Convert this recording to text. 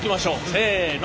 せの。